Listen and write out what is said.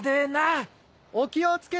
お気を付けて。